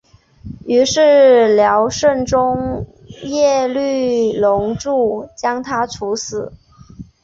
于是辽圣宗耶律隆绪将他处死。